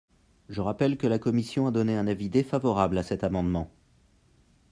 Je rappelle que la commission a donné un avis défavorable à cet amendement.